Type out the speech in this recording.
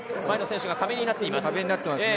前の選手が壁になっています。